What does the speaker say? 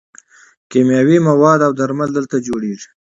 کیمیاوي مواد او درمل دلته جوړیږي.